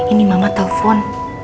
ini mama telepon